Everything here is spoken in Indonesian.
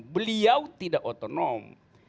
beliau tidak otonom